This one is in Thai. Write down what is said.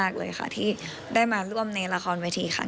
คันนี้ค่ะ